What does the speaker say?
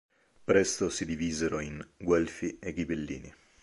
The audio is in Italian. Presto si divisero in Guelfi e Ghibellini.